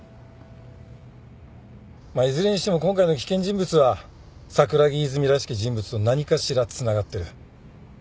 まあいずれにしても今回の危険人物は桜木泉らしき人物と何かしらつながってる。